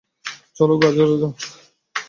চলো, গাজর দাও।